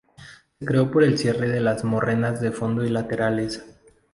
Se creó por el cierre de morrenas de fondo y laterales.